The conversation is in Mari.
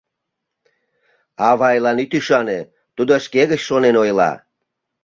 Авайлан ит ӱшане, тудо шке гыч шонен ойла.